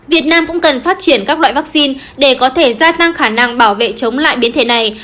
việt nam cũng cần phát triển các loại vaccine để có thể gia tăng khả năng bảo vệ chống lại biến thể này